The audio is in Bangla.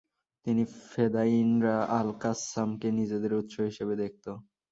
তিনি ফেদাইনরা আল-কাসসামকে নিজেদের উৎস হিসেবে দেখত।